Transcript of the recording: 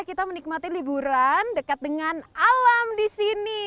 kita menikmati liburan dekat dengan alam disini